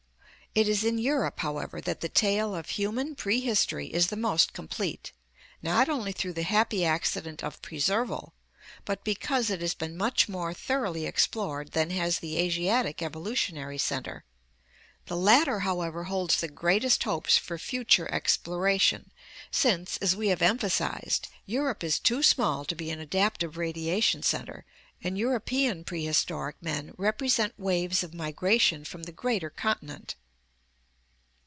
— It is in Europe, however, that the tale of human prehistory is the most complete, not only through the happy acci 676 ORGANIC EVOLUTION dent of preserval, but because it has been much more thoroughly explored than has the Asiatic evolutionary center. The latter, however^ holds the greatest hopes for future exploration since, as we have emphasized, Europe is too small to be an adaptive radia tion center and European prehistoric men represent waves of migration from the greater continent.